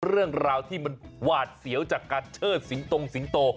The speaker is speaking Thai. เรื่องราวที่มันหวาดเสียวจากการเชิดสิงตรงสิงโต